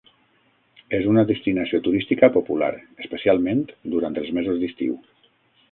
És una destinació turística popular, especialment durant els mesos d'estiu.